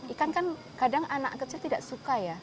ikan kan kadang anak kecil tidak suka ya